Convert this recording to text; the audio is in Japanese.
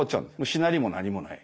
しなりも何もない。